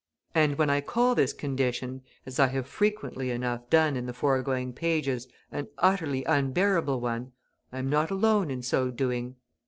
And when I call this condition, as I have frequently enough done in the foregoing pages, an utterly unbearable one, I am not alone in so doing.